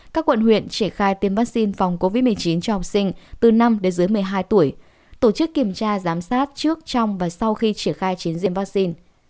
các quận huyện triển khai tiêm vaccine phòng covid một mươi chín cho học sinh từ năm đến dưới một mươi hai tuổi tổ chức kiểm tra giám sát trước trong và sau khi triển khai chiến diện vaccine